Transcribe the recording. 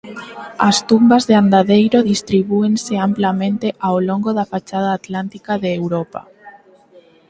As tumbas de andadeiro distribúense amplamente ó longo da fachada atlántica de Europa.